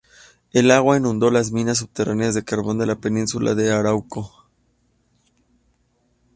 El agua inundó las minas subterráneas de carbón de la península de Arauco.